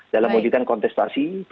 dalam ujikan kontestasi